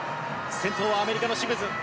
先頭はアメリカのシムズ。